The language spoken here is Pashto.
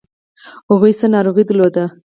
هغوی څه ناروغي درلوده؟